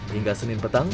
hingga senin petang